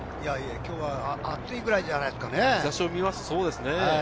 今日は暑いくらいじゃないですかね。